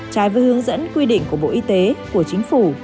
trái với hướng dẫn quy định của bộ y tế của chính phủ